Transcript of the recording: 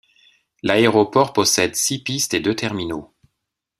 L'aéroport possède six pistes et deux terminaux.